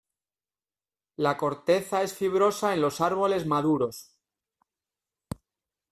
La corteza es fibrosa en los árboles maduros.